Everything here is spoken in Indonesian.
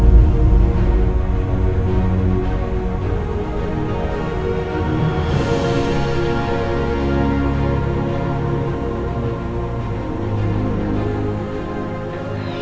ibu andi darussalam ketangkep